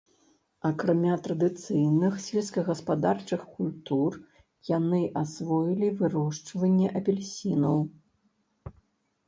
Акрамя традыцыйных сельскагаспадарчых культур, яны асвоілі вырошчванне апельсінаў.